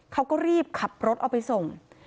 เขาก็รีบขับรถเอาไปส่ง